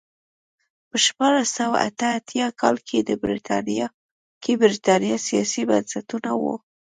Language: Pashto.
په شپاړس سوه اته اتیا کال کې برېټانیا سیاسي بنسټونه وو.